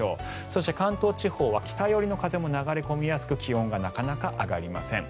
そして関東地方は北寄りの風も流れ込みやすく気温がなかなか上がりません。